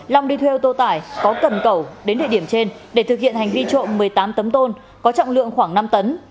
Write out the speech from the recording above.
long đi thuê ô tô tải có cần cầu đến địa điểm trên để thực hiện hành vi trộm một mươi tám tấm tôn có trọng lượng khoảng năm tấn